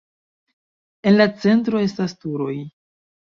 En la centro estas turoj.